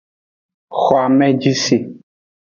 Xo ameji se.